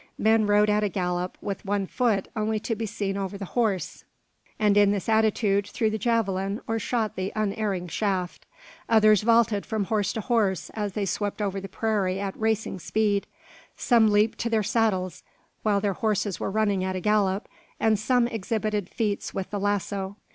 Men rode at a gallop, with one foot only to be seen over the horse, and in this attitude threw the javelin or shot the unerring shaft. Others vaulted from horse to horse, as they swept over the prairie at racing speed. Some leaped to their saddles, while their horses were running at a gallop, and some exhibited feats with the lasso.